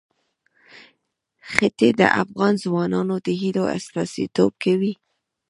ښتې د افغان ځوانانو د هیلو استازیتوب کوي.